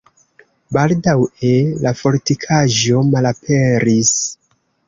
Baldaŭe la fortikaĵo malaperis.